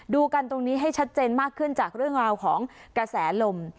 ดูกันตรงนี้ให้ชัดเจนมากขึ้นจากเรื่องราวของกระแสลม